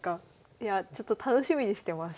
いやちょっと楽しみにしてます。